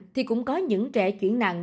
thì cũng có những trẻ chuyển nặng